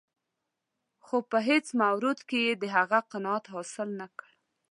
خو په هېڅ مورد کې یې د هغه قناعت حاصل نه کړ.